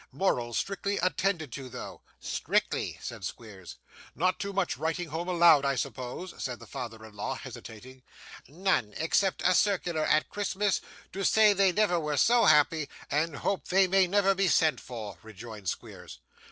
'Morals strictly attended to, though.' 'Strictly,' said Squeers. 'Not too much writing home allowed, I suppose?' said the father in law, hesitating. 'None, except a circular at Christmas, to say they never were so happy, and hope they may never be sent for,' rejoined Squeers.